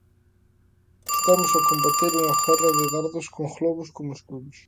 Estamos a combater unha guerra de dardos con globos como escudos.